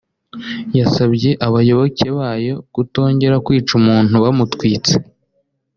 yasabye abayoboke bayo kutongera kwica umuntu bamutwitse